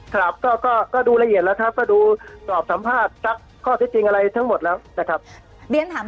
ครับก็ดูละเอียดแล้วครับก็ดูสอบสัมภาษณ์สักข้อที่จริงอะไรทั้งหมดแล้วนะครับ